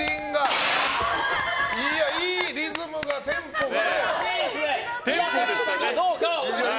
いや、いいリズムが、テンポが。